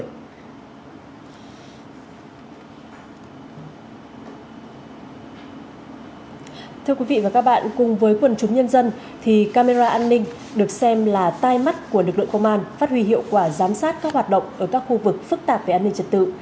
thưa quý vị và các bạn cùng với quần chúng nhân dân thì camera an ninh được xem là tai mắt của lực lượng công an phát huy hiệu quả giám sát các hoạt động ở các khu vực phức tạp về an ninh trật tự